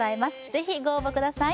ぜひご応募ください